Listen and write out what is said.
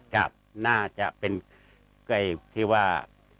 กับน่าจะเป็นคือว่า